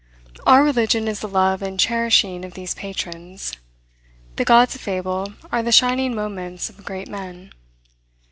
Our religion is the love and cherishing of these patrons. The gods of fable are the shining moments of great men.